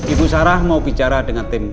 ibu sarah mau bicara dengan tim